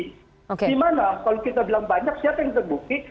dimana kalau kita bilang banyak siapa yang terbukti